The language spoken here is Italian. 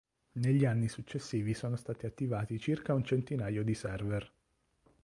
Negli anni successivi sono stati attivati circa un centinaio di server.